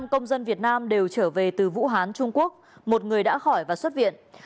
năm công dân việt nam đều trở về từ vũ hán trung quốc một người đã khỏi và xuất viện